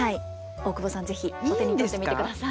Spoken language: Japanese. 大久保さん是非お手に取ってみてください。